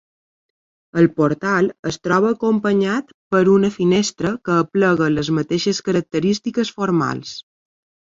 El portal es troba acompanyat per una finestra que aplega les mateixes característiques formals.